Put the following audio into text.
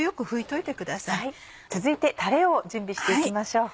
続いてタレを準備して行きましょう。